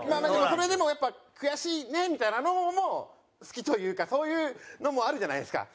それでもやっぱ悔しいねみたいなのも好きというかそういうのもあるじゃないですか。